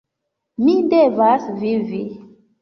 Mi devas vivi!